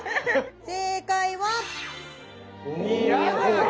正解は宮崎？